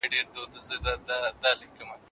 د صحرایي ژوند سختي څه ده؟